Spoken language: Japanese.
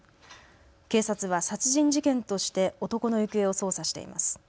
警察は殺人事件として男の行方を捜査しています。